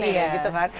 iya gitu kan